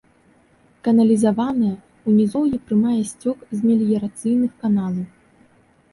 Каналізаваная, у нізоўі прымае сцёк з меліярацыйных каналаў.